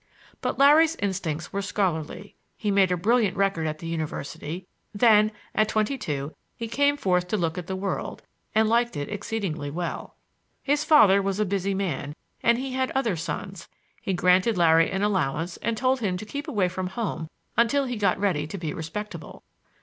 But Larry's instincts were scholarly; he made a brilliant record at the University; then, at twenty two, he came forth to look at the world, and liked it exceedingly well. His father was a busy man, and he had other sons; he granted Larry an allowance and told him to keep away from home until he got ready to be respectable.